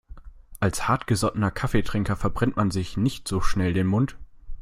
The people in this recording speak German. Als hartgesottener Kaffeetrinker verbrennt man sich nicht so schnell den Mund.